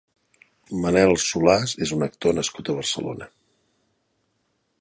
Manel Solàs és un actor nascut a Barcelona.